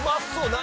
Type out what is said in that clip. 何？